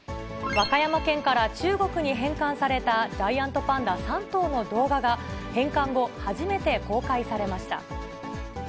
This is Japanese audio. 和歌山県から中国に返還されたジャイアントパンダ３頭の動画が、返還後、初めて公開されました。